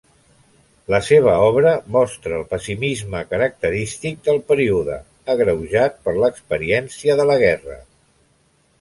La seva obra mostra el pessimisme característic del període, agreujat per l'experiència de guerra.